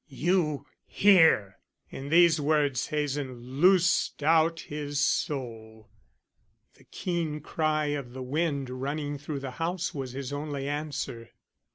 "You hear!" In these words Hazen loosed out his soul. The keen cry of the wind running through the house was his only answer.